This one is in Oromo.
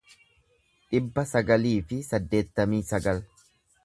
dhibba sagalii fi saddeettamii sagal